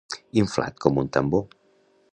Inflat com un tambor.